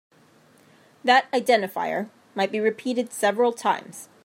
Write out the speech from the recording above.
That identifier might be repeated several times.